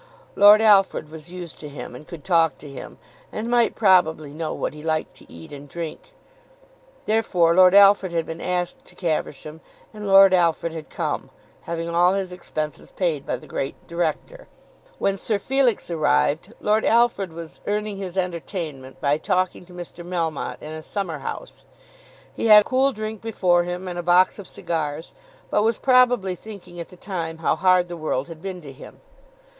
Lord Alfred was used to him and could talk to him, and might probably know what he liked to eat and drink. Therefore Lord Alfred had been asked to Caversham, and Lord Alfred had come, having all his expenses paid by the great Director. When Sir Felix arrived, Lord Alfred was earning his entertainment by talking to Mr. Melmotte in a summer house. He had cool drink before him and a box of cigars, but was probably thinking at the time how hard the world had been to him.